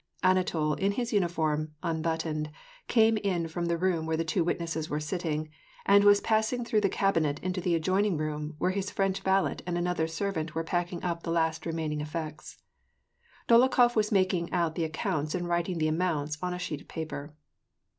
Anatol, in his uniform, unbuttoned, came in from the room where the two witnesses were sitting, and was passing through the cabinet into the adjoining room, where his French valet and another servant were packing up the last remaining effects. Dolokhof was making out the accounts and writing the amounts on a sheet of paper.